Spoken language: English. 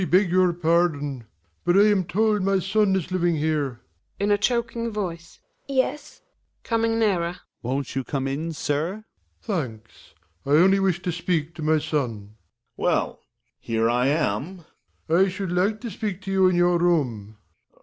I beg your pardon; but I am told my son ie living here. GiNA {in a choking voice). Yes Hjalmar {coming nearer). Won't you come in, sir? ':45^'^!kf'>'\ Werle. Thanks; I only wish to speak to my son. Gregers. Well ! Here I am ! Werle. I should like to speak to you in your room.